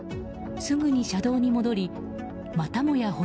すぐに車道に戻りまたもや